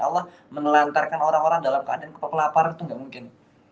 allah menelantarkan orang orang dalam keadaan kepelaparan itu nggak mungkin